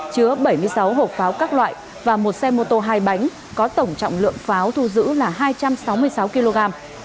chứa bảy mươi sáu hộp pháo các loại và một xe mô tô hai bánh có tổng trọng lượng pháo thu giữ là hai trăm sáu mươi sáu kg